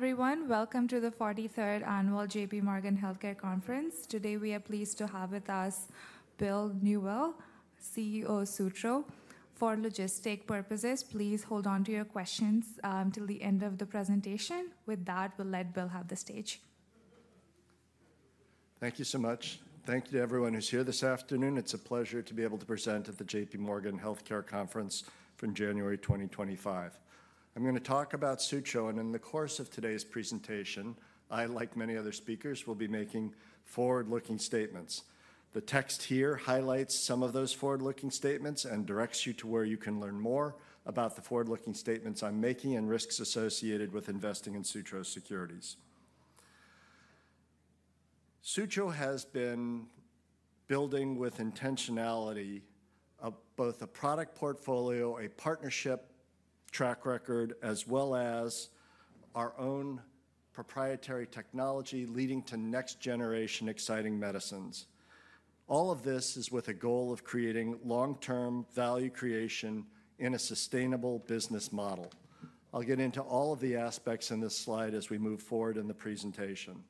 Hello everyone, welcome to the 43rd annual J.P. Morgan Healthcare Conference. Today we are pleased to have with us Bill Newell, CEO of Sutro. For logistical purposes, please hold on to your questions until the end of the presentation. With that, we'll let Bill have the stage. Thank you so much. Thank you to everyone who's here this afternoon. It's a pleasure to be able to present at the J.P. Morgan Healthcare Conference from January 2025. I'm going to talk about Sutro, and in the course of today's presentation, I, like many other speakers, will be making forward-looking statements. The text here highlights some of those forward-looking statements and directs you to where you can learn more about the forward-looking statements I'm making and risks associated with investing in Sutro securities. Sutro has been building with intentionality both a product portfolio, a partnership track record, as well as our own proprietary technology leading to next-generation exciting medicines. All of this is with a goal of creating long-term value creation in a sustainable business model. I'll get into all of the aspects in this slide as we move forward in the presentation.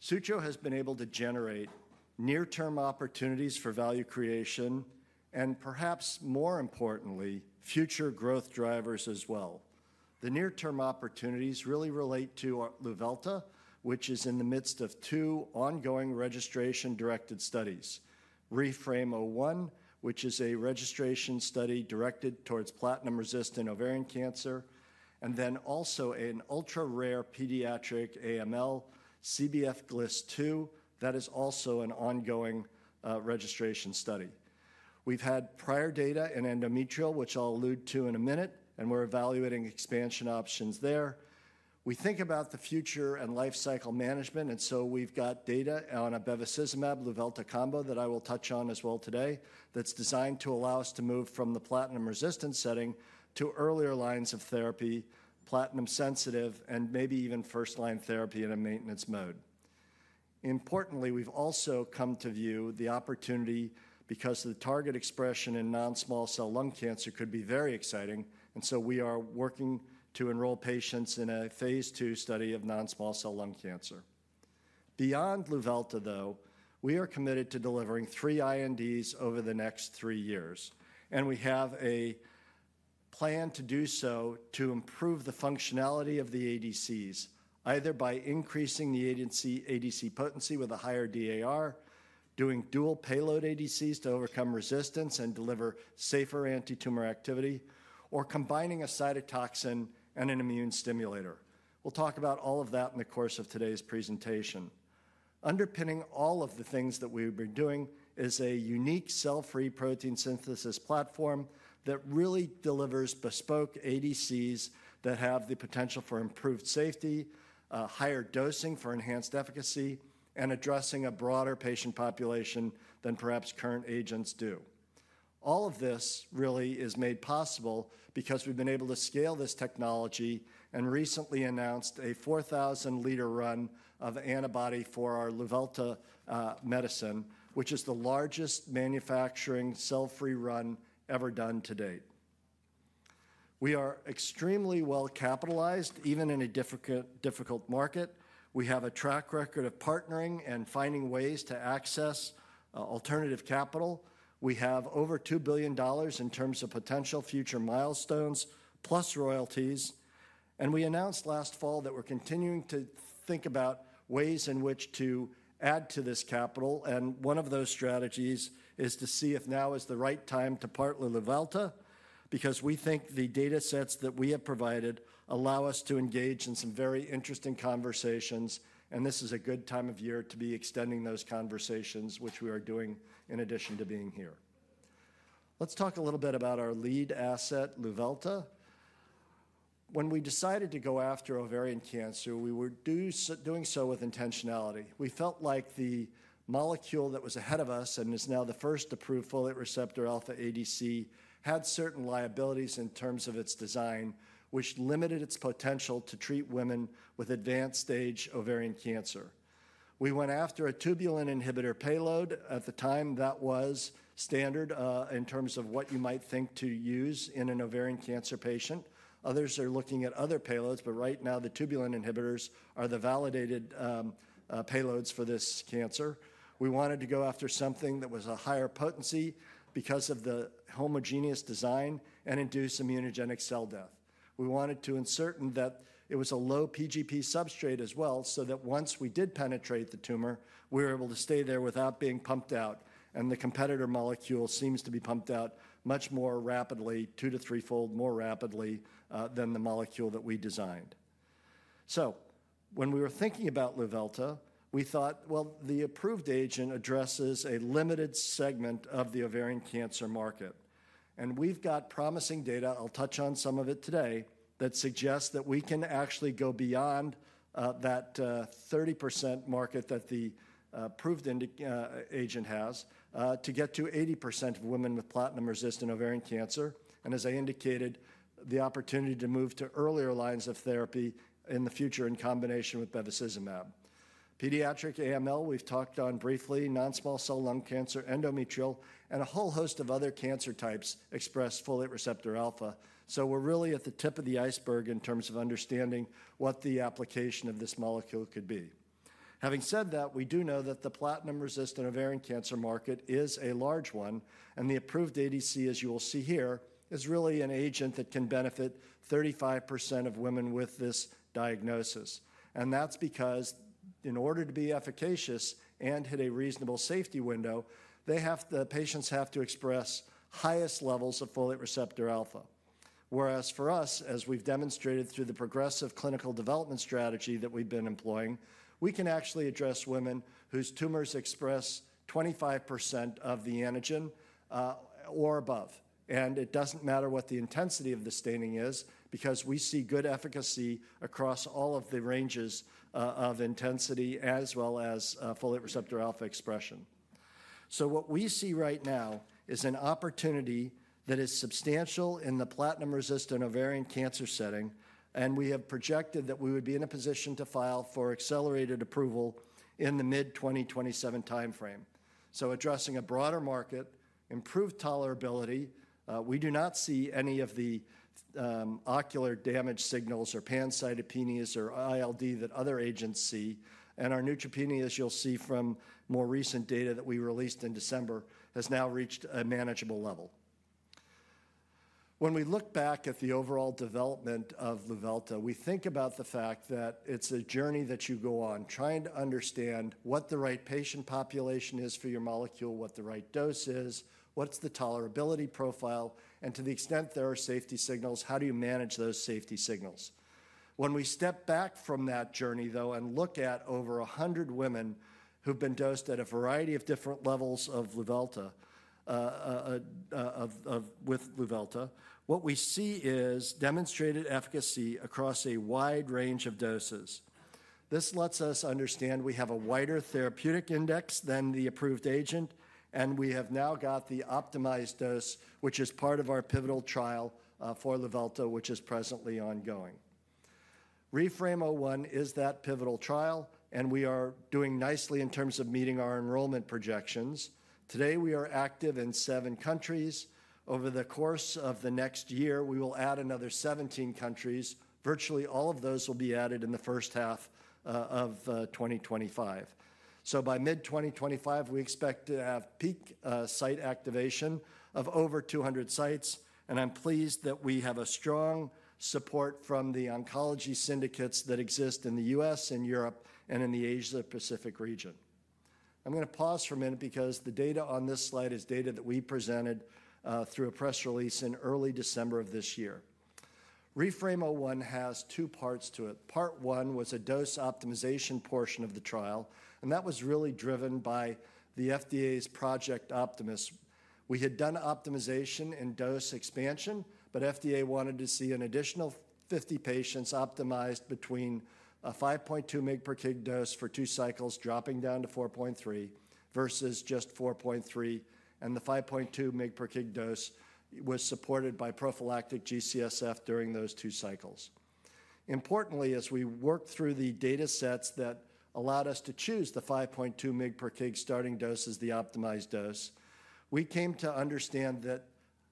Sutro has been able to generate near-term opportunities for value creation and, perhaps more importantly, future growth drivers as well. The near-term opportunities really relate to Luvelta, which is in the midst of two ongoing registration-directed studies: REFRaME-O1, which is a registration study directed towards platinum-resistant ovarian cancer, and then also an ultra-rare pediatric AML, CBF-GLIS2, that is also an ongoing registration study. We've had prior data in endometrial, which I'll allude to in a minute, and we're evaluating expansion options there. We think about the future and lifecycle management, and so we've got data on bevacizumab-Luvelta combo that I will touch on as well today that's designed to allow us to move from the platinum-resistant setting to earlier lines of therapy, platinum-sensitive, and maybe even first-line therapy in a maintenance mode. Importantly, we've also come to view the opportunity because the target expression in non-small cell lung cancer could be very exciting, and so we are working to enroll patients in a phase two study of non-small cell lung cancer. Beyond Luvelta, though, we are committed to delivering three INDs over the next three years, and we have a plan to do so to improve the functionality of the ADCs, either by increasing the ADC potency with a higher DAR, doing dual payload ADCs to overcome resistance and deliver safer anti-tumor activity, or combining a cytotoxin and an immune stimulator. We'll talk about all of that in the course of today's presentation. Underpinning all of the things that we've been doing is a unique cell-free protein synthesis platform that really delivers bespoke ADCs that have the potential for improved safety, higher dosing for enhanced efficacy, and addressing a broader patient population than perhaps current agents do. All of this really is made possible because we've been able to scale this technology and recently announced a 4,000-liter run of antibody for our Luvelta medicine, which is the largest manufacturing cell-free run ever done to date. We are extremely well capitalized, even in a difficult market. We have a track record of partnering and finding ways to access alternative capital. We have over $2 billion in terms of potential future milestones, plus royalties, and we announced last fall that we're continuing to think about ways in which to add to this capital, and one of those strategies is to see if now is the right time to partner Luvelta because we think the data sets that we have provided allow us to engage in some very interesting conversations, and this is a good time of year to be extending those conversations, which we are doing in addition to being here. Let's talk a little bit about our lead asset, Luvelta. When we decided to go after ovarian cancer, we were doing so with intentionality. We felt like the molecule that was ahead of us and is now the first approved folate receptor alpha ADC had certain liabilities in terms of its design, which limited its potential to treat women with advanced-stage ovarian cancer. We went after a tubulin inhibitor payload at the time that was standard in terms of what you might think to use in an ovarian cancer patient. Others are looking at other payloads, but right now the tubulin inhibitors are the validated payloads for this cancer. We wanted to go after something that was a higher potency because of the homogeneous design and induce immunogenic cell death. We wanted to ensure that it was a low PGP substrate as well so that once we did penetrate the tumor, we were able to stay there without being pumped out, and the competitor molecule seems to be pumped out much more rapidly, two to three-fold more rapidly than the molecule that we designed. So when we were thinking about Luvelta, we thought, well, the approved agent addresses a limited segment of the ovarian cancer market, and we've got promising data, I'll touch on some of it today, that suggests that we can actually go beyond that 30% market that the approved agent has to get to 80% of women with platinum-resistant ovarian cancer, and as I indicated, the opportunity to move to earlier lines of therapy in the future in combination with bevacizumab. Pediatric AML, we've touched on briefly, non-small cell lung cancer, endometrial, and a whole host of other cancer types expressed folate receptor alpha, so we're really at the tip of the iceberg in terms of understanding what the application of this molecule could be. Having said that, we do know that the platinum-resistant ovarian cancer market is a large one, and the approved ADC, as you will see here, is really an agent that can benefit 35% of women with this diagnosis, and that's because in order to be efficacious and hit a reasonable safety window, the patients have to express highest levels of folate receptor alpha. Whereas for us, as we've demonstrated through the progressive clinical development strategy that we've been employing, we can actually address women whose tumors express 25% of the antigen or above, and it doesn't matter what the intensity of the staining is because we see good efficacy across all of the ranges of intensity as well as folate receptor alpha expression, so what we see right now is an opportunity that is substantial in the platinum-resistant ovarian cancer setting, and we have projected that we would be in a position to file for accelerated approval in the mid-2027 timeframe, so addressing a broader market, improved tolerability, we do not see any of the ocular damage signals or pancytopenias or ILD that other agents see, and our neutropenias, you'll see from more recent data that we released in December, has now reached a manageable level. When we look back at the overall development of Luvelta, we think about the fact that it's a journey that you go on trying to understand what the right patient population is for your molecule, what the right dose is, what's the tolerability profile, and to the extent there are safety signals, how do you manage those safety signals. When we step back from that journey, though, and look at over 100 women who've been dosed at a variety of different levels with Luvelta, what we see is demonstrated efficacy across a wide range of doses. This lets us understand we have a wider therapeutic index than the approved agent, and we have now got the optimized dose, which is part of our pivotal trial for Luvelta, which is presently ongoing. REFRaME-O1 is that pivotal trial, and we are doing nicely in terms of meeting our enrollment projections. Today we are active in seven countries. Over the course of the next year, we will add another 17 countries. Virtually all of those will be added in the first half of 2025. So by mid-2025, we expect to have peak site activation of over 200 sites, and I'm pleased that we have a strong support from the oncology syndicates that exist in the U.S., in Europe, and in the Asia-Pacific region. I'm going to pause for a minute because the data on this slide is data that we presented through a press release in early December of this year. REFRaME-O1 has two parts to it. Part one was a dose optimization portion of the trial, and that was really driven by the FDA's Project Optimus. We had done optimization and dose expansion, but FDA wanted to see an additional 50 patients optimized between a 5.2 mg/kg dose for two cycles dropping down to 4.3 mg/kg versus just 4.3 mg/kg, and the 5.2 mg/kg dose was supported by prophylactic G-CSF during those two cycles. Importantly, as we worked through the data sets that allowed us to choose the 5.2 mg/kg starting dose as the optimized dose, we came to understand that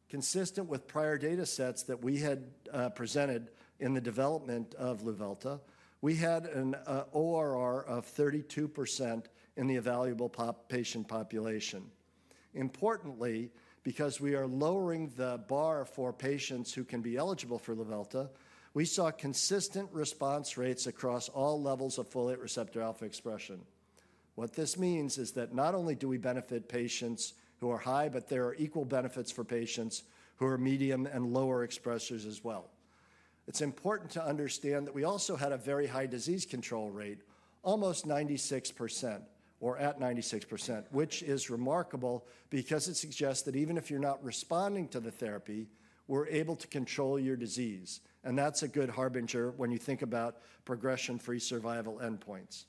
consistent with prior data sets that we had presented in the development of Luvelta, we had an ORR of 32% in the evaluable patient population. Importantly, because we are lowering the bar for patients who can be eligible for Luvelta, we saw consistent response rates across all levels of folate receptor alpha expression. What this means is that not only do we benefit patients who are high, but there are equal benefits for patients who are medium and lower expressors as well. It's important to understand that we also had a very high disease control rate, almost 96%, or at 96%, which is remarkable because it suggests that even if you're not responding to the therapy, we're able to control your disease, and that's a good harbinger when you think about progression-free survival endpoints.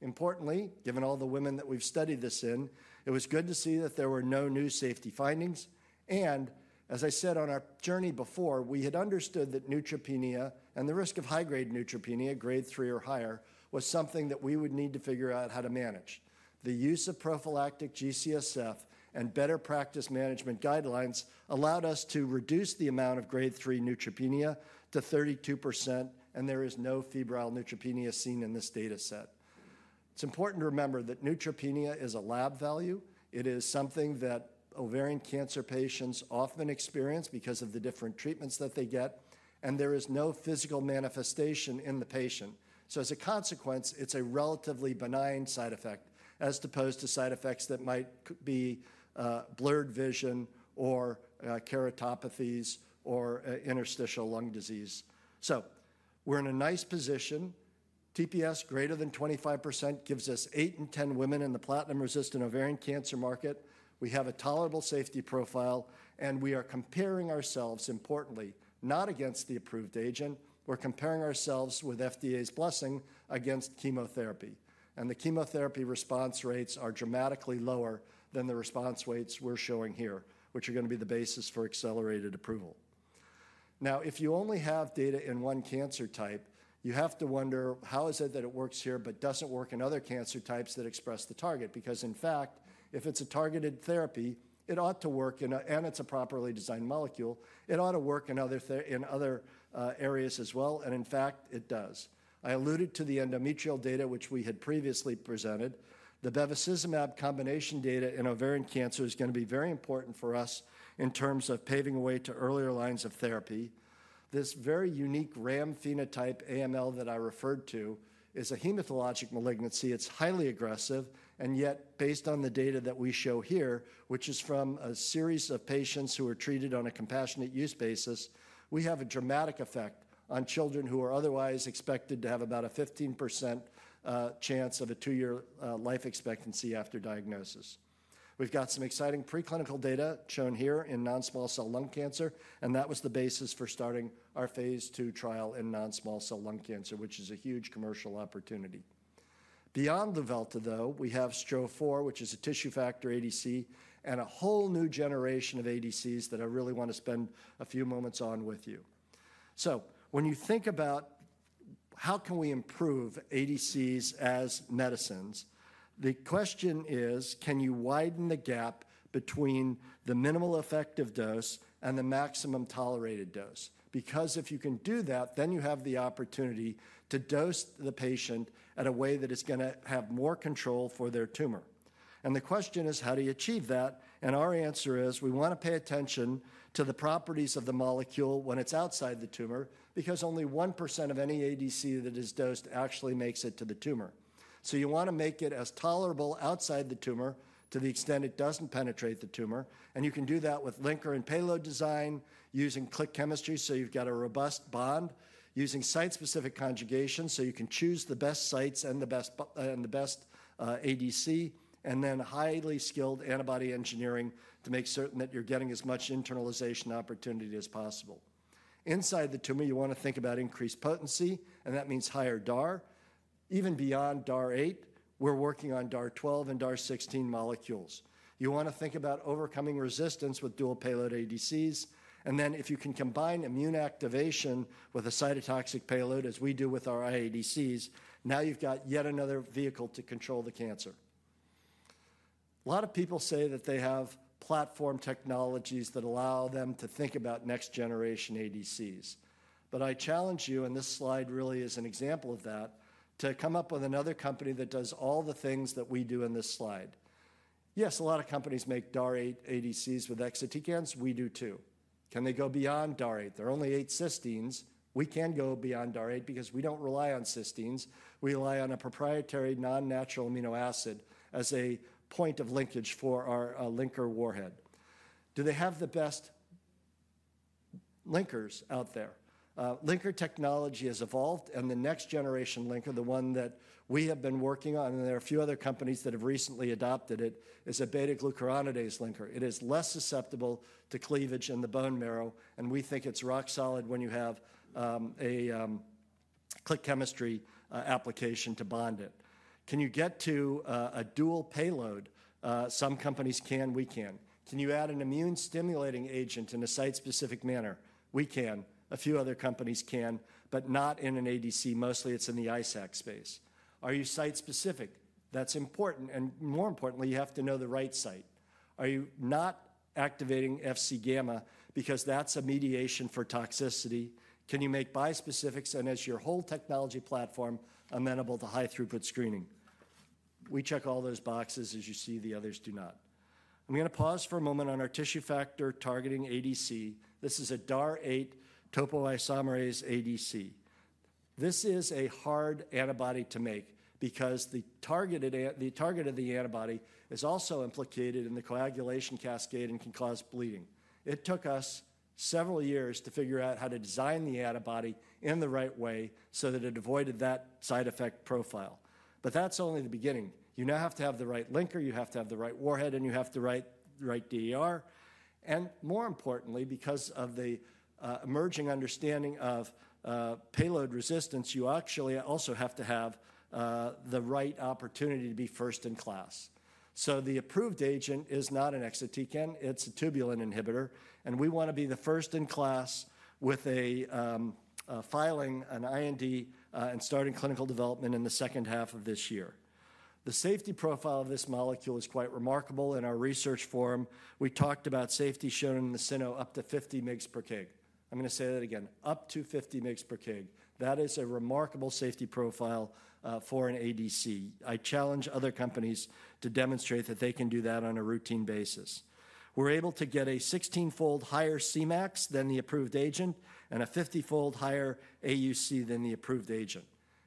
Importantly, given all the women that we've studied this in, it was good to see that there were no new safety findings, and as I said on our journey before, we had understood that neutropenia and the risk of high-grade neutropenia, grade three or higher, was something that we would need to figure out how to manage. The use of prophylactic G-CSF and better practice management guidelines allowed us to reduce the amount of grade three neutropenia to 32%, and there is no febrile neutropenia seen in this data set. It's important to remember that neutropenia is a lab value. It is something that ovarian cancer patients often experience because of the different treatments that they get, and there is no physical manifestation in the patient. So as a consequence, it's a relatively benign side effect as opposed to side effects that might be blurred vision or keratopathies or interstitial lung disease. So we're in a nice position. TPS greater than 25% gives us eight in 10 women in the platinum-resistant ovarian cancer market. We have a tolerable safety profile, and we are comparing ourselves importantly, not against the approved agent. We're comparing ourselves, with FDA's blessing, against chemotherapy, and the chemotherapy response rates are dramatically lower than the response rates we're showing here, which are going to be the basis for accelerated approval. Now, if you only have data in one cancer type, you have to wonder how is it that it works here but doesn't work in other cancer types that express the target because, in fact, if it's a targeted therapy, it ought to work, and it's a properly designed molecule, it ought to work in other areas as well, and in fact, it does. I alluded to the endometrial data, which we had previously presented. The bevacizumab combination data in ovarian cancer is going to be very important for us in terms of paving a way to earlier lines of therapy. This very unique RAM phenotype AML that I referred to is a hematologic malignancy. It's highly aggressive, and yet, based on the data that we show here, which is from a series of patients who are treated on a compassionate use basis, we have a dramatic effect on children who are otherwise expected to have about a 15% chance of a two-year life expectancy after diagnosis. We've got some exciting preclinical data shown here in non-small cell lung cancer, and that was the basis for starting our phase two trial in non-small cell lung cancer, which is a huge commercial opportunity. Beyond Luvelta, though, we have STRO-004, which is a tissue factor ADC and a whole new generation of ADCs that I really want to spend a few moments on with you. So when you think about how can we improve ADCs as medicines, the question is, can you widen the gap between the minimal effective dose and the maximum tolerated dose? Because if you can do that, then you have the opportunity to dose the patient in a way that is going to have more control for their tumor. And the question is, how do you achieve that? And our answer is, we want to pay attention to the properties of the molecule when it's outside the tumor because only 1% of any ADC that is dosed actually makes it to the tumor. So you want to make it as tolerable outside the tumor to the extent it doesn't penetrate the tumor, and you can do that with linker and payload design using click chemistry, so you've got a robust bond, using site-specific conjugation so you can choose the best sites and the best ADC, and then highly skilled antibody engineering to make certain that you're getting as much internalization opportunity as possible. Inside the tumor, you want to think about increased potency, and that means higher DAR. Even beyond DAR8, we're working on DAR12 and DAR16 molecules. You want to think about overcoming resistance with dual payload ADCs, and then if you can combine immune activation with a cytotoxic payload, as we do with our iADCs, now you've got yet another vehicle to control the cancer. A lot of people say that they have platform technologies that allow them to think about next-generation ADCs, but I challenge you, and this slide really is an example of that, to come up with another company that does all the things that we do in this slide. Yes, a lot of companies make DAR8 ADCs with exatecans. We do too. Can they go beyond DAR8? There are only eight cysteines. We can go beyond DAR8 because we don't rely on cysteines. We rely on a proprietary non-natural amino acid as a point of linkage for our linker warhead. Do they have the best linkers out there? Linker technology has evolved, and the next-generation linker, the one that we have been working on, and there are a few other companies that have recently adopted it, is a beta-glucuronidase linker. It is less susceptible to cleavage in the bone marrow, and we think it's rock solid when you have a click chemistry application to bond it. Can you get to a dual payload? Some companies can. We can. Can you add an immune-stimulating agent in a site-specific manner? We can. A few other companies can, but not in an ADC. Mostly, it's in the ISAC space. Are you site-specific? That's important, and more importantly, you have to know the right site. Are you not activating Fc-gamma because that's a mechanism for toxicity? Can you make bispecifics and, as your whole technology platform, amenable to high-throughput screening? We check all those boxes as you see the others do not. I'm going to pause for a moment on our tissue factor-targeting ADC. This is a DAR8 topoisomerase ADC. This is a hard antibody to make because the target of the antibody is also implicated in the coagulation cascade and can cause bleeding. It took us several years to figure out how to design the antibody in the right way so that it avoided that side effect profile, but that's only the beginning. You now have to have the right linker, you have to have the right warhead, and you have to have the right DAR, and more importantly, because of the emerging understanding of payload resistance, you actually also have to have the right opportunity to be first-in-class. So the approved agent is not an exatecan. It's a tubulin inhibitor, and we want to be the first in class with filing an IND and starting clinical development in the second half of this year. The safety profile of this molecule is quite remarkable. In our research forum, we talked about safety shown in the cyno up to 50 mg/kg. I'm going to say that again: up to 50 mg/kg. That is a remarkable safety profile for an ADC. I challenge other companies to demonstrate that they can do that on a routine basis. We're able to get a 16-fold higher Cmax than the approved agent and a 50-fold higher AUC than the approved agent,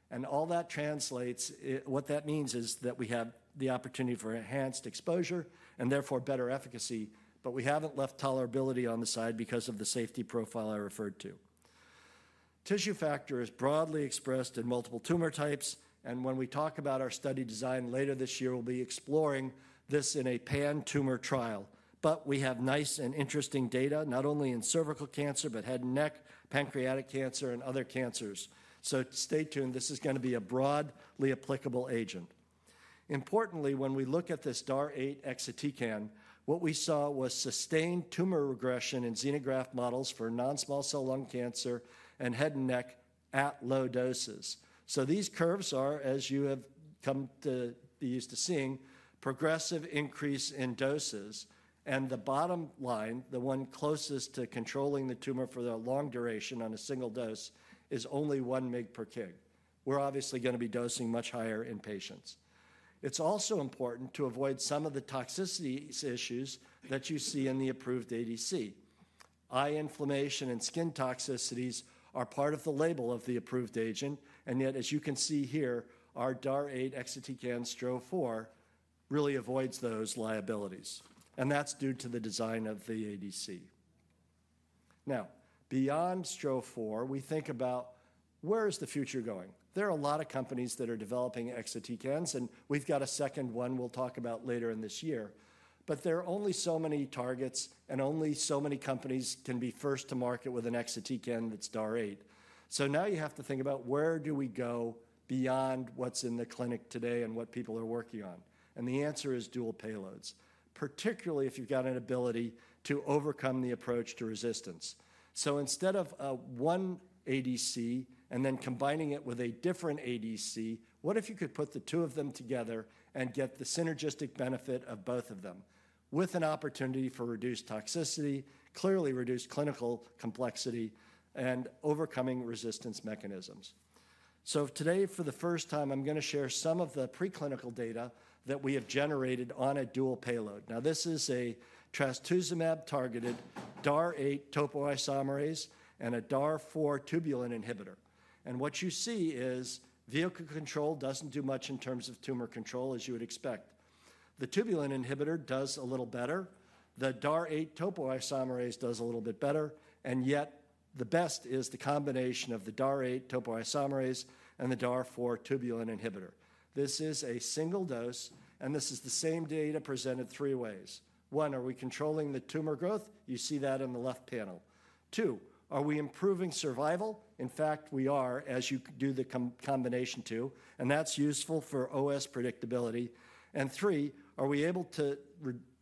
and all that translates to what that means is that we have the opportunity for enhanced exposure and therefore better efficacy, but we haven't left tolerability on the side because of the safety profile I referred to. Tissue factor is broadly expressed in multiple tumor types, and when we talk about our study design later this year, we'll be exploring this in a pan-tumor trial, but we have nice and interesting data not only in cervical cancer but head and neck, pancreatic cancer, and other cancers. So stay tuned. This is going to be a broadly applicable agent. Importantly, when we look at this DAR8 exatecan, what we saw was sustained tumor regression in xenograft models for non-small cell lung cancer and head and neck at low doses. So these curves are, as you have come to be used to seeing, progressive increase in doses, and the bottom line, the one closest to controlling the tumor for the long duration on a single dose, is only 1 mg/kg. We're obviously going to be dosing much higher in patients. It's also important to avoid some of the toxicity issues that you see in the approved ADC. Eye inflammation and skin toxicities are part of the label of the approved agent, and yet, as you can see here, our DAR8 exatecan STRO-004 really avoids those liabilities, and that's due to the design of the ADC. Now, beyond STRO-004, we think about where is the future going. There are a lot of companies that are developing exatecans, and we've got a second one we'll talk about later in this year, but there are only so many targets, and only so many companies can be first to market with an exatecan that's DAR8. So now you have to think about where do we go beyond what's in the clinic today and what people are working on, and the answer is dual payloads, particularly if you've got an ability to overcome the approach to resistance. So instead of one ADC and then combining it with a different ADC, what if you could put the two of them together and get the synergistic benefit of both of them with an opportunity for reduced toxicity, clearly reduced clinical complexity, and overcoming resistance mechanisms? So today, for the first time, I'm going to share some of the preclinical data that we have generated on a dual payload. Now, this is a trastuzumab-targeted DAR8 topoisomerase and a DAR4 tubulin inhibitor, and what you see is vehicle control doesn't do much in terms of tumor control, as you would expect. The tubulin inhibitor does a little better. The DAR8 topoisomerase does a little bit better, and yet the best is the combination of the DAR8 topoisomerase and the DAR4 tubulin inhibitor. This is a single dose, and this is the same data presented three ways. One, are we controlling the tumor growth? You see that in the left panel. Two, are we improving survival? In fact, we are, as you do the combination too, and that's useful for OS predictability. And three, are we able to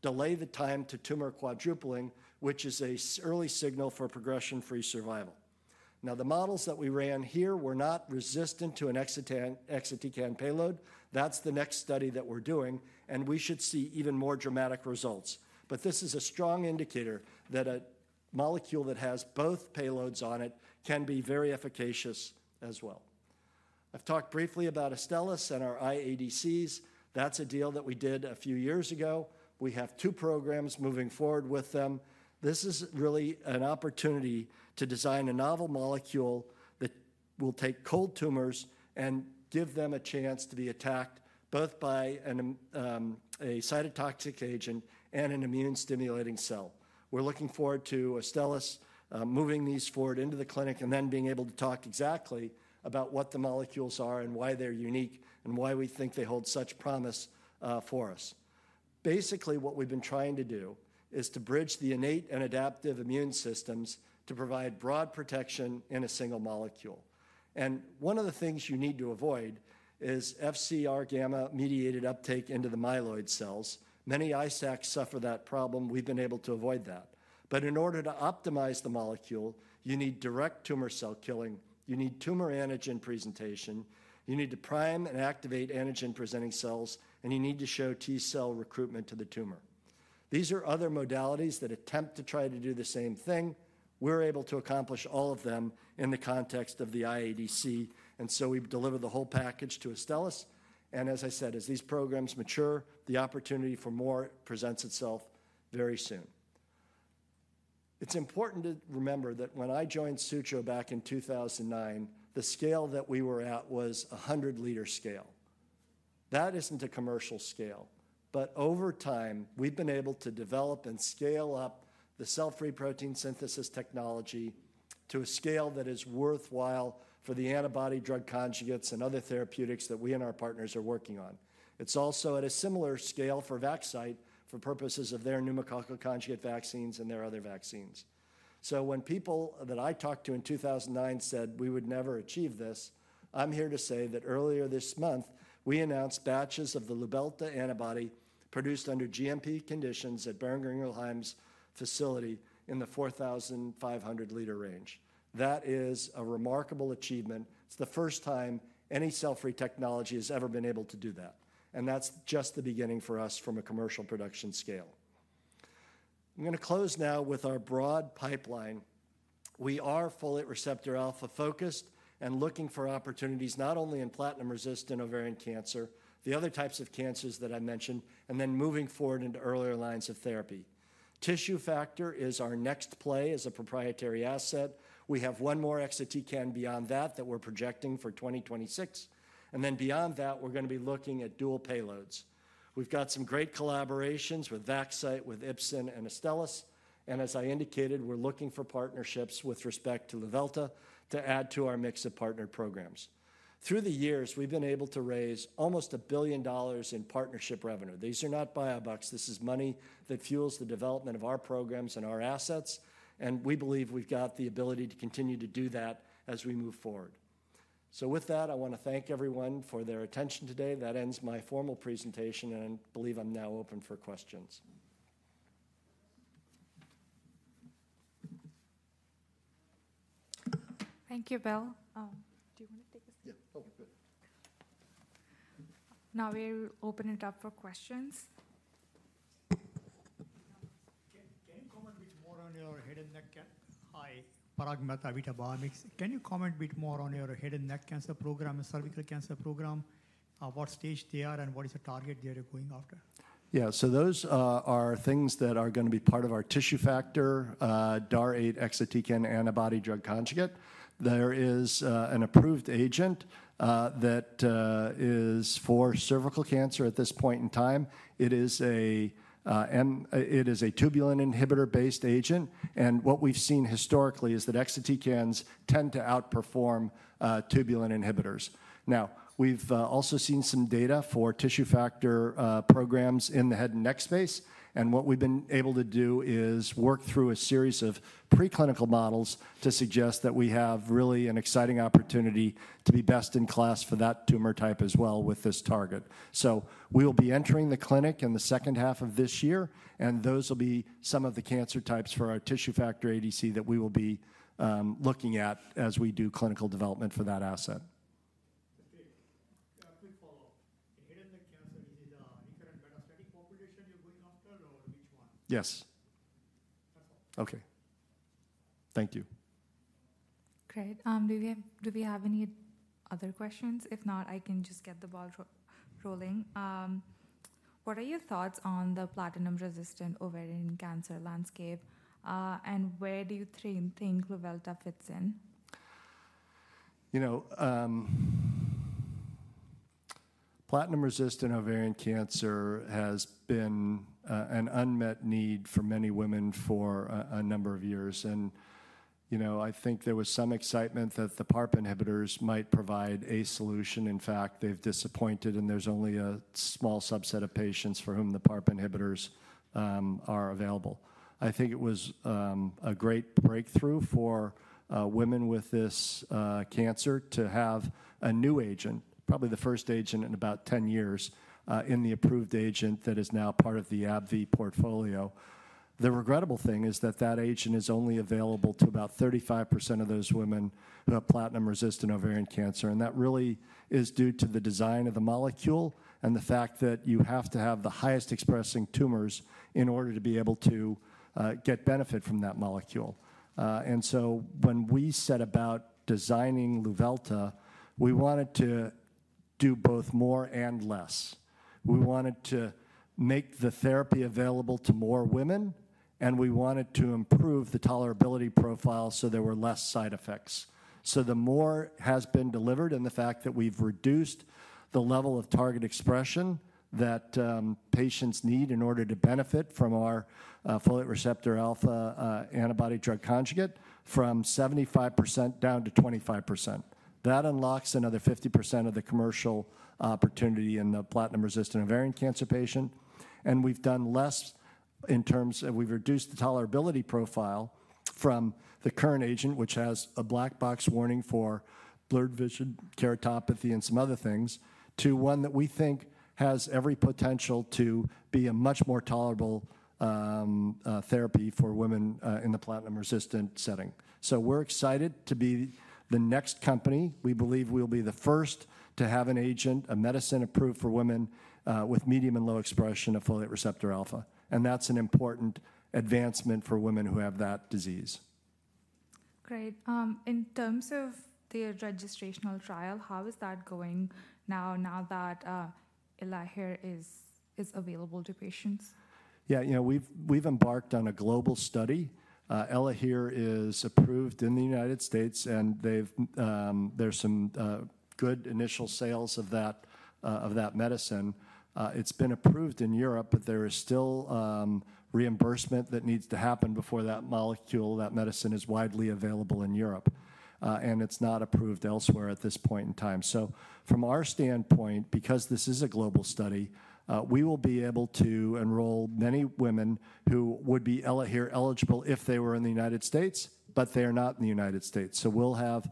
delay the time to tumor quadrupling, which is an early signal for progression-free survival? Now, the models that we ran here were not resistant to an exatecan payload. That's the next study that we're doing, and we should see even more dramatic results, but this is a strong indicator that a molecule that has both payloads on it can be very efficacious as well. I've talked briefly about Astellas and our iADCs. That's a deal that we did a few years ago. We have two programs moving forward with them. This is really an opportunity to design a novel molecule that will take cold tumors and give them a chance to be attacked both by a cytotoxic agent and an immune-stimulating cell. We're looking forward to Astellas moving these forward into the clinic and then being able to talk exactly about what the molecules are and why they're unique and why we think they hold such promise for us. Basically, what we've been trying to do is to bridge the innate and adaptive immune systems to provide broad protection in a single molecule, and one of the things you need to avoid is Fcγ-mediated uptake into the myeloid cells. Many ISACs suffer that problem. We've been able to avoid that, but in order to optimize the molecule, you need direct tumor cell killing. You need tumor antigen presentation. You need to prime and activate antigen-presenting cells, and you need to show T-cell recruitment to the tumor. These are other modalities that attempt to try to do the same thing. We're able to accomplish all of them in the context of the iADC, and so we've delivered the whole package to Astellas, and as I said, as these programs mature, the opportunity for more presents itself very soon. It's important to remember that when I joined Sutro back in 2009, the scale that we were at was a 100-liter scale. That isn't a commercial scale, but over time, we've been able to develop and scale up the cell-free protein synthesis technology to a scale that is worthwhile for the antibody drug conjugates and other therapeutics that we and our partners are working on. It's also at a similar scale for Vaxcyte for purposes of their pneumococcal conjugate vaccines and their other vaccines. So when people that I talked to in 2009 said, "We would never achieve this," I'm here to say that earlier this month, we announced batches of the Luvelta antibody produced under GMP conditions at Boehringer Ingelheim's facility in the 4,500-liter range. That is a remarkable achievement. It's the first time any cell-free technology has ever been able to do that, and that's just the beginning for us from a commercial production scale. I'm going to close now with our broad pipeline. We are folate receptor alpha-focused and looking for opportunities not only in platinum-resistant ovarian cancer, the other types of cancers that I mentioned, and then moving forward into earlier lines of therapy. Tissue factor is our next play as a proprietary asset. We have one more exatecan beyond that that we're projecting for 2026, and then beyond that, we're going to be looking at dual payloads. We've got some great collaborations with Vaxcyte, with Ipsen, and Astellas, and as I indicated, we're looking for partnerships with respect to Luvelta to add to our mix of partner programs. Through the years, we've been able to raise almost $1 billion in partnership revenue. These are not buyouts. This is money that fuels the development of our programs and our assets, and we believe we've got the ability to continue to do that as we move forward. So with that, I want to thank everyone for their attention today. That ends my formal presentation, and I believe I'm now open for questions. Thank you, Bill. Do you want to take a seat? Yeah. Oh, good. Now we'll open it up for questions. Can you comment a bit more on your head and neck? Hi, Paragmith Abhita Bharamik. Can you comment a bit more on your head and neck cancer program and cervical cancer program? What stage they are and what is the target they are going after? Yeah, so those are things that are going to be part of our tissue factor, DAR8 exatecan antibody drug conjugate. There is an approved agent that is for cervical cancer at this point in time. It is a tubulin inhibitor-based agent, and what we've seen historically is that exatecans tend to outperform tubulin inhibitors. Now, we've also seen some data for tissue factor programs in the head and neck space, and what we've been able to do is work through a series of preclinical models to suggest that we have really an exciting opportunity to be best in class for that tumor type as well with this target. So we will be entering the clinic in the second half of this year, and those will be some of the cancer types for our tissue factor ADC that we will be looking at as we do clinical development for that asset. Okay. A quick follow-up. The head and neck cancer, is it a recurrent metastatic population you're going after, or which one? Yes. That's all. Okay. Thank you. Great. Do we have any other questions? If not, I can just get the ball rolling. What are your thoughts on the platinum-resistant ovarian cancer landscape, and where do you think Luvelta fits in? You know, platinum-resistant ovarian cancer has been an unmet need for many women for a number of years, and you know, I think there was some excitement that the PARP inhibitors might provide a solution. In fact, they've disappointed, and there's only a small subset of patients for whom the PARP inhibitors are available. I think it was a great breakthrough for women with this cancer to have a new agent, probably the first agent in about 10 years, in the approved agent that is now part of the AbbVie portfolio. The regrettable thing is that that agent is only available to about 35% of those women who have platinum-resistant ovarian cancer, and that really is due to the design of the molecule and the fact that you have to have the highest expressing tumors in order to be able to get benefit from that molecule. And so when we set about designing Luvelta, we wanted to do both more and less. We wanted to make the therapy available to more women, and we wanted to improve the tolerability profile so there were less side effects. So the more has been delivered and the fact that we've reduced the level of target expression that patients need in order to benefit from our folate receptor alpha antibody drug conjugate from 75% down to 25%. That unlocks another 50% of the commercial opportunity in the platinum-resistant ovarian cancer patient, and we've done less in terms of we've reduced the tolerability profile from the current agent, which has a black box warning for blurred vision, keratopathy, and some other things, to one that we think has every potential to be a much more tolerable therapy for women in the platinum-resistant setting. So we're excited to be the next company. We believe we'll be the first to have an agent, a medicine approved for women with medium and low expression of folate receptor alpha, and that's an important advancement for women who have that disease. Great. In terms of the registrational trial, how is that going now, now that Elahere is available to patients? Yeah, you know, we've embarked on a global study. Elahere is approved in the United States, and there's some good initial sales of that medicine. It's been approved in Europe, but there is still reimbursement that needs to happen before that molecule, that medicine, is widely available in Europe, and it's not approved elsewhere at this point in time. So from our standpoint, because this is a global study, we will be able to enroll many women who would be Elahere eligible if they were in the United States, but they are not in the United States. So we'll have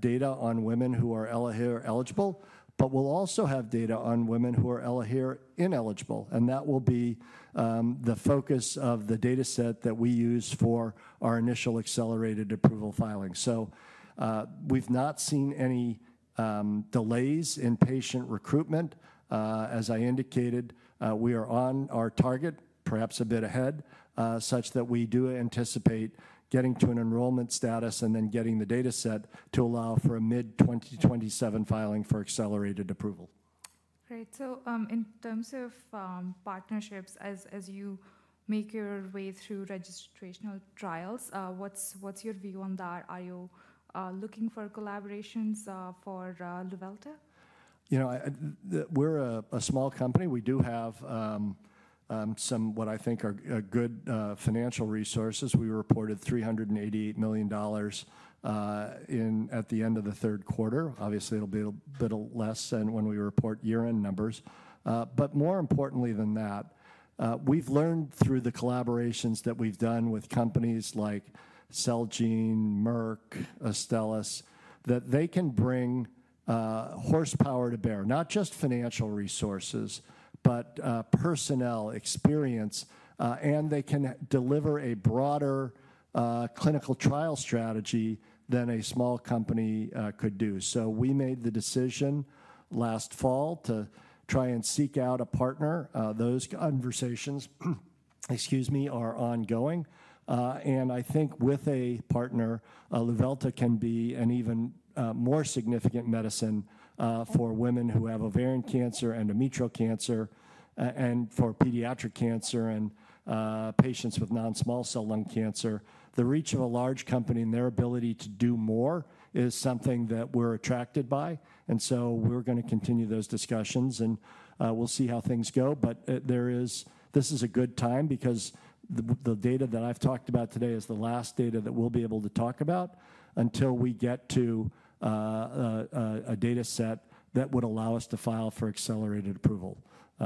data on women who are Elahere eligible, but we'll also have data on women who are Elahere ineligible, and that will be the focus of the dataset that we use for our initial accelerated approval filing. So we've not seen any delays in patient recruitment. As I indicated, we are on our target, perhaps a bit ahead, such that we do anticipate getting to an enrollment status and then getting the dataset to allow for a mid-2027 filing for accelerated approval. Great. So in terms of partnerships, as you make your way through registrational trials, what's your view on that? Are you looking for collaborations for Luvelta? You know, we're a small company. We do have some, what I think, are good financial resources. We reported $388 million at the end of the third quarter. Obviously, it'll be a little bit less than when we report year-end numbers, but more importantly than that, we've learned through the collaborations that we've done with companies like Celgene, Merck, Astellas, that they can bring horsepower to bear, not just financial resources, but personnel, experience, and they can deliver a broader clinical trial strategy than a small company could do. So we made the decision last fall to try and seek out a partner. Those conversations, excuse me, are ongoing, and I think with a partner, Luvelta can be an even more significant medicine for women who have ovarian cancer and endometrial cancer and for pediatric cancer and patients with non-small cell lung cancer. The reach of a large company and their ability to do more is something that we're attracted by, and so we're going to continue those discussions, and we'll see how things go, but this is a good time because the data that I've talked about today is the last data that we'll be able to talk about until we get to a dataset that would allow us to file for accelerated approval.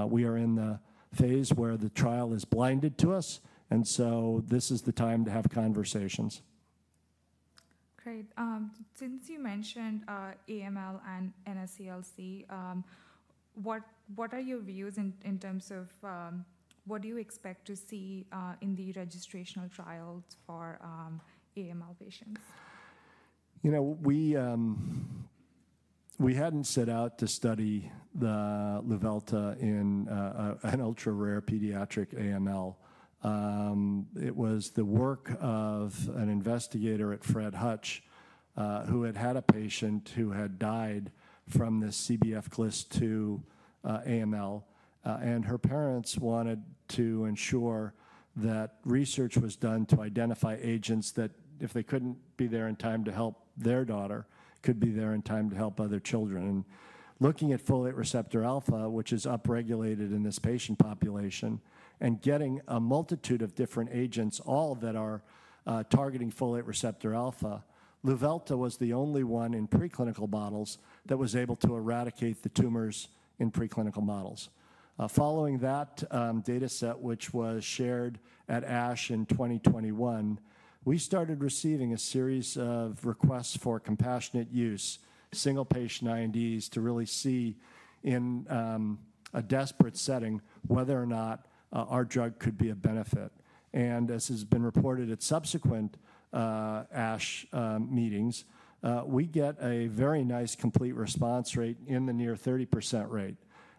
We are in the phase where the trial is blinded to us, and so this is the time to have conversations. Great. Since you mentioned AML and NSCLC, what are your views in terms of what do you expect to see in the registrational trials for AML patients? You know, we hadn't set out to study the Luvelta in an ultra-rare pediatric AML. It was the work of an investigator at Fred Hutch who had had a patient who had died from this CBF-GLIS2 AML, and her parents wanted to ensure that research was done to identify agents that, if they couldn't be there in time to help their daughter, could be there in time to help other children, and looking at folate receptor alpha, which is upregulated in this patient population, and getting a multitude of different agents, all that are targeting folate receptor alpha, Luvelta was the only one in preclinical models that was able to eradicate the tumors in preclinical models. Following that dataset, which was shared at ASH in 2021, we started receiving a series of requests for compassionate use, single-patient INDs, to really see in a desperate setting whether or not our drug could be of benefit. And as has been reported at subsequent ASH meetings, we get a very nice complete response rate in the near 30% rate,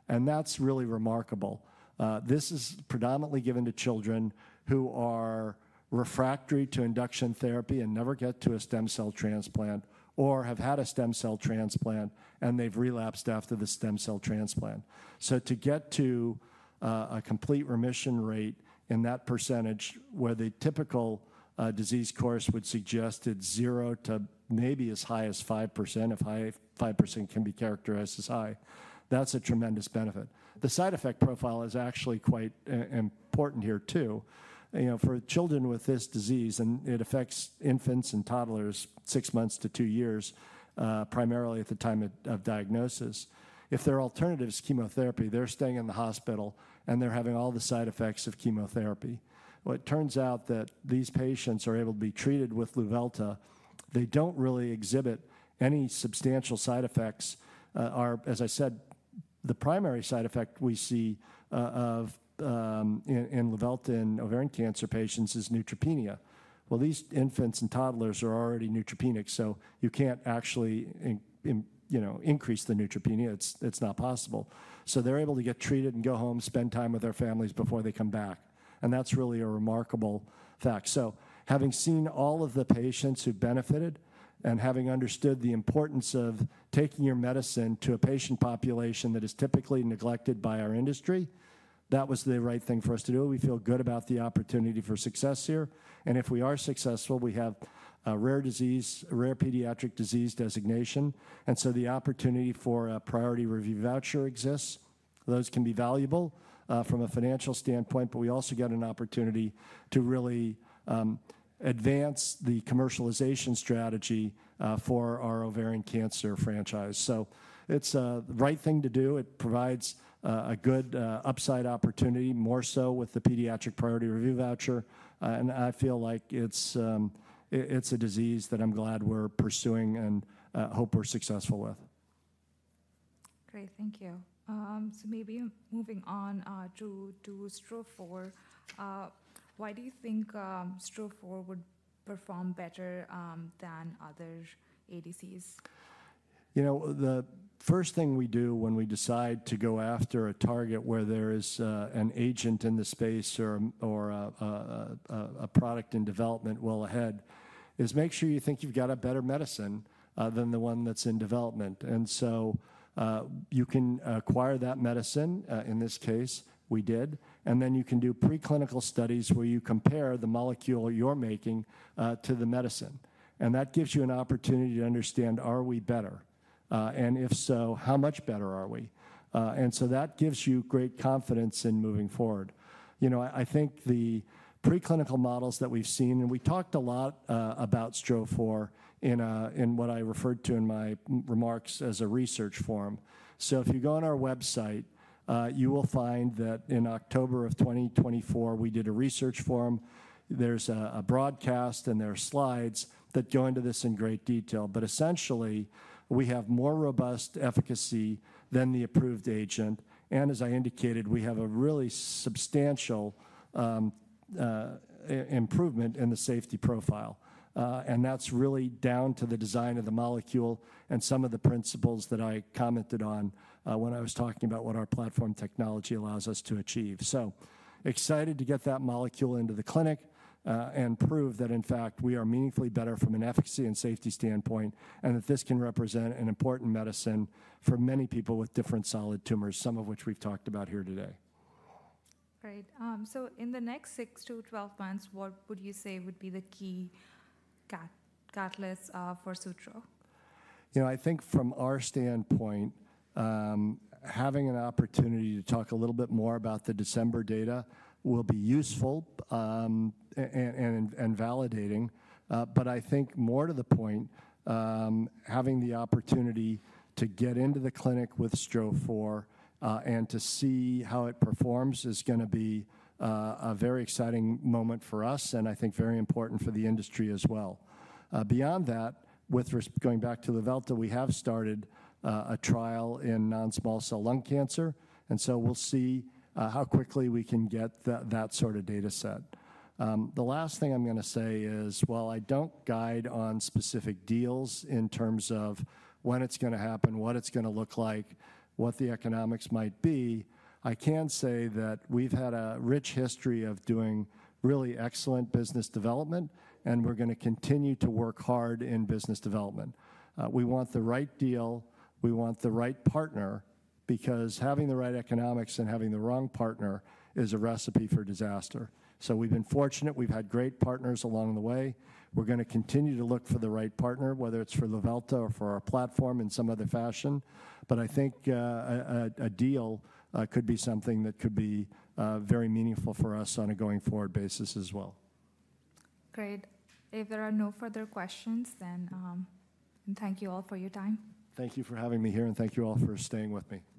and that's really remarkable. This is predominantly given to children who are refractory to induction therapy and never get to a stem cell transplant or have had a stem cell transplant, and they've relapsed after the stem cell transplant. So to get to a complete remission rate in that percentage where the typical disease course would suggest at zero to maybe as high as 5%, if high 5% can be characterized as high, that's a tremendous benefit. The side effect profile is actually quite important here too. You know, for children with this disease, and it affects infants and toddlers six months to two years, primarily at the time of diagnosis, if their alternative is chemotherapy, they're staying in the hospital and they're having all the side effects of chemotherapy. What turns out that these patients are able to be treated with Luvelta, they don't really exhibit any substantial side effects. As I said, the primary side effect we see in Luvelta in ovarian cancer patients is neutropenia. Well, these infants and toddlers are already neutropenic, so you can't actually, you know, increase the neutropenia. It's not possible. So they're able to get treated and go home, spend time with their families before they come back, and that's really a remarkable fact. So having seen all of the patients who benefited and having understood the importance of taking your medicine to a patient population that is typically neglected by our industry, that was the right thing for us to do. We feel good about the opportunity for success here, and if we are successful, we have a rare disease, rare pediatric disease designation, and so the opportunity for a priority review voucher exists. Those can be valuable from a financial standpoint, but we also get an opportunity to really advance the commercialization strategy for our ovarian cancer franchise. So it's the right thing to do. It provides a good upside opportunity, more so with the pediatric priority review voucher, and I feel like it's a disease that I'm glad we're pursuing and hope we're successful with. Great. Thank you. So maybe moving on to STRO-004, why do you think STRO-004 would perform better than other ADCs? You know, the first thing we do when we decide to go after a target where there is an agent in the space or a product in development well ahead is make sure you think you've got a better medicine than the one that's in development. And so you can acquire that medicine, in this case we did, and then you can do preclinical studies where you compare the molecule you're making to the medicine, and that gives you an opportunity to understand, are we better? And if so, how much better are we? And so that gives you great confidence in moving forward. You know, I think the preclinical models that we've seen, and we talked a lot about STRO-004 in what I referred to in my remarks as a research forum. If you go on our website, you will find that in October of 2024, we did a research forum. There's a broadcast and there are slides that go into this in great detail, but essentially we have more robust efficacy than the approved agent, and as I indicated, we have a really substantial improvement in the safety profile, and that's really down to the design of the molecule and some of the principles that I commented on when I was talking about what our platform technology allows us to achieve. So excited to get that molecule into the clinic and prove that, in fact, we are meaningfully better from an efficacy and safety standpoint, and that this can represent an important medicine for many people with different solid tumors, some of which we've talked about here today. Great. So in the next six to 12 months, what would you say would be the key catalyst for Sutro? You know, I think from our standpoint, having an opportunity to talk a little bit more about the December data will be useful and validating, but I think more to the point, having the opportunity to get into the clinic with STRO-004 and to see how it performs is going to be a very exciting moment for us and I think very important for the industry as well. Beyond that, with going back to Luvelta, we have started a trial in non-small cell lung cancer, and so we'll see how quickly we can get that sort of dataset. The last thing I'm going to say is, while I don't guide on specific deals in terms of when it's going to happen, what it's going to look like, what the economics might be, I can say that we've had a rich history of doing really excellent business development, and we're going to continue to work hard in business development. We want the right deal. We want the right partner because having the right economics and having the wrong partner is a recipe for disaster. So we've been fortunate. We've had great partners along the way. We're going to continue to look for the right partner, whether it's for Luvelta or for our platform in some other fashion, but I think a deal could be something that could be very meaningful for us on a going forward basis as well. Great. If there are no further questions, then thank you all for your time. Thank you for having me here, and thank you all for staying with me.